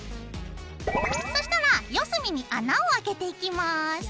そしたら四隅に穴をあけていきます。